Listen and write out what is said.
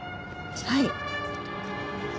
はい。